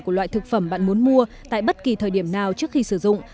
của loại thực phẩm bạn muốn mua tại bất kỳ thời điểm nào trước khi sử dụng